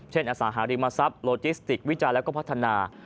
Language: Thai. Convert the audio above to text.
เช่นอสหาริมทรัพย์โลจิสติกวิจารณ์และพัฒนา